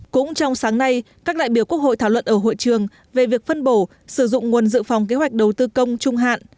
cũng trong sáng nay các đại biểu quốc hội thảo luận ở hội trường về việc phân bổ sử dụng nguồn dự phòng kế hoạch đầu tư công trung hạn